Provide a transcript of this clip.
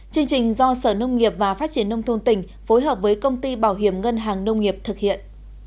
chương trình do sở nông nghiệp và phát triển nông thôn tỉnh phối hợp với công ty bảo hiểm ngân hàng nông nghiệp thực hiện